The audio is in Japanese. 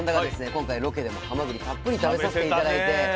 今回ロケでもはまぐりたっぷり食べさせて頂いて。